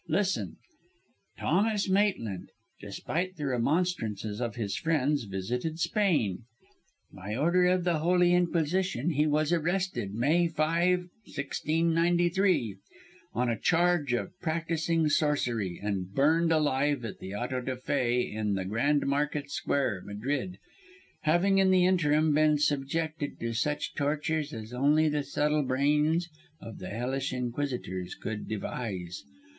Listen "'Thomas Maitland, despite the remonstrances of his friends, visited Spain. By order of the Holy Inquisition he was arrested, May 5, 1693, on a charge of practising sorcery, and burned alive at the Auto da Fé, in the Grand Market Square, Madrid; having in the interim been subjected to such tortures as only the subtle brains of the hellish inquisitors could devise.